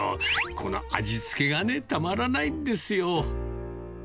この味付けがね、たまらないんですよ。